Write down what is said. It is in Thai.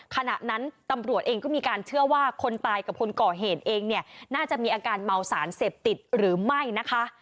ขณะนั้นตำรวจเองก็มีการเชื่อว่าคนตายกับคนก่อเหตุเองเนี่ยน่าจะมีอาการเมาสารเสพติดหรือไม่นะคะ